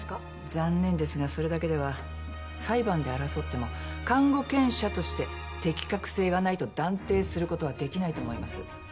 残念ですがそれだけでは裁判で争っても監護権者として適格性がないと断定することはできないと思います。